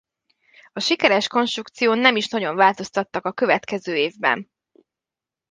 A sikeres konstrukción nem is nagyon változtattak a következő évben.